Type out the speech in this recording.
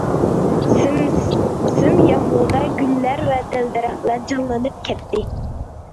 سىم- سىم يامغۇردا گۈللەر ۋە دەل- دەرەخلەر جانلىنىپ كەتتى.